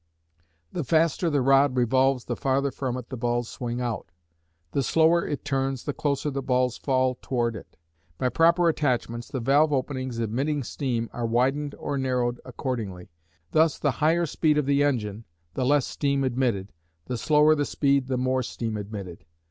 The faster the rod revolves the farther from it the balls swing out. The slower it turns the closer the balls fall toward it. By proper attachments the valve openings admitting steam are widened or narrowed accordingly. Thus the higher speed of the engine, the less steam admitted, the slower the speed the more steam admitted.